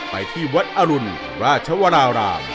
ไปที่วัดอรุณราชวราราม